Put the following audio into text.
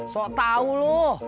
sok tau loh